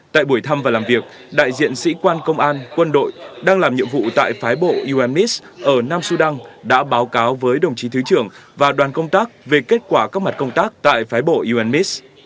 tại buổi thăm và làm việc đại diện sĩ quan công an quân đội đang làm nhiệm vụ tại phái bộ unmis ở nam sudan đã báo cáo với đồng chí thứ trưởng và đoàn công tác về kết quả các mặt công tác tại phái bộ unmis